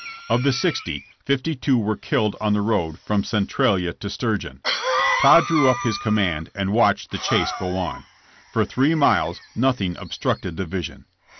Of the sixty, fifty two were killed on the road from Centralia to Sturgeon. Todd drew up his command 36 JKSS« JAMBS. and watched the chase go on. For three miles nothing obstructed the vision.